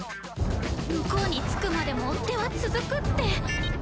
向こうに着くまでも追手は続くって。